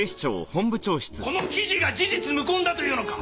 この記事が事実無根だというのか？